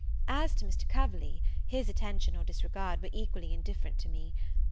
As to Mr. Coverley, his attention or disregard were equally indifferent to me.